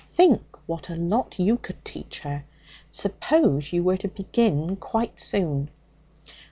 Think what a lot you could teach her! Suppose you were to begin quite soon?'